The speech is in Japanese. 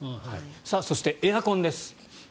そして、エアコンです。